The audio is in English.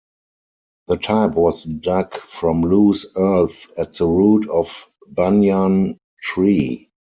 The type was dug from loose earth at the root of a banyan tree.